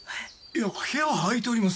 部屋は空いております。